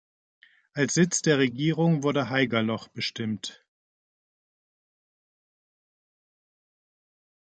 Als Sitz der Regierung wurde Haigerloch bestimmt.